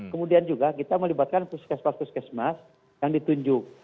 kemudian juga kita melibatkan puskesmas puskesmas yang ditunjuk